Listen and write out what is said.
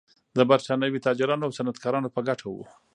د برېټانوي تاجرانو او صنعتکارانو په ګټه و.